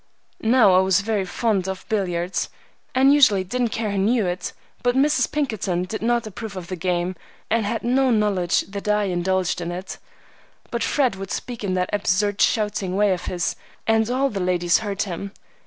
Now I was very fond of billiards, and usually didn't care who knew it, but Mrs. Pinkerton did not approve of the game, and had no knowledge that I indulged in it. But Fred would speak in that absurd shouting way of his, and all the ladies heard him.